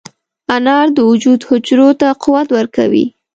انار د وجود حجرو ته قوت ورکوي.